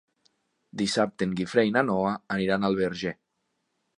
Dissabte en Guifré i na Noa aniran al Verger.